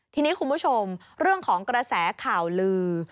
ทีนี้คุณผู้ชมเรื่องของกระแสข่าวลือ